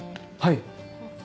はい。